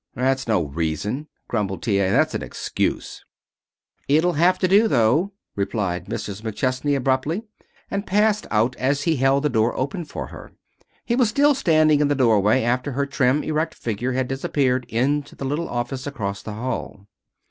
"That's no reason," grumbled T. A. "That's an excuse." "It will have to do, though," replied Mrs. McChesney abruptly, and passed out as he held the door open for her. He was still standing in the doorway after her trim, erect figure had disappeared into the little office across the hail.